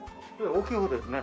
大きい方ですね。